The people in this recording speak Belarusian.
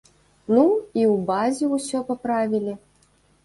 Ну, і ў базе ўсё паправілі.